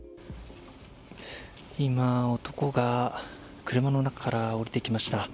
今、男が車の中から降りてきました。